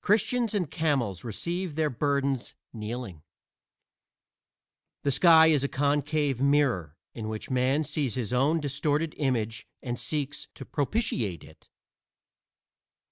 Christians and camels receive their burdens kneeling. The sky is a concave mirror in which Man sees his own distorted image and seeks to propitiate it.